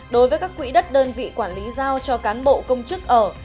đối với các quỹ đất đơn vị quản lý giao cho cán bộ công chức ở